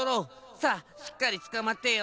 さあしっかりつかまってよ。